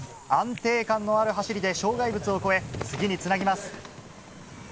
安定感のある走りで障害物を越え次につなぎます。